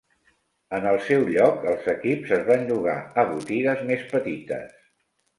En el seu lloc, els equips es van llogar a botigues més petites.